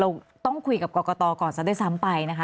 เราต้องคุยกับกรกตก่อนซะด้วยซ้ำไปนะคะ